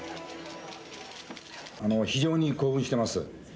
非常に興奮してます。